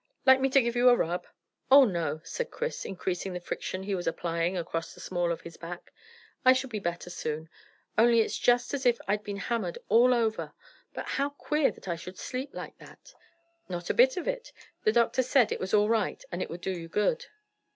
"Like me to give you a rub?" "Oh no," said Chris, increasing the friction he was applying across the small of his back. "I shall be better soon. Only it's just as if I'd been hammered all over. But how queer that I should sleep like that!" "Not a bit of it. The doctor said it was all right and it would do you good."